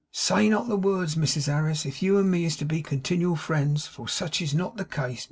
"Say not the words, Mrs Harris, if you and me is to be continual friends, for sech is not the case.